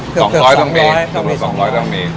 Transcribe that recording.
เกือบ๒๐๐ต้องมี